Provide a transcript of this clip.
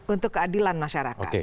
untuk keadilan masyarakat